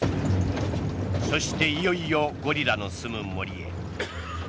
そしていよいよゴリラのすむ森へ。